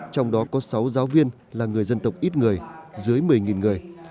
trong đó có sáu giáo viên là người dân tộc ít người dưới một mươi người